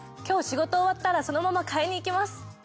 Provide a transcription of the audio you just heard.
今日仕事終わったらそのまま買いに行きます。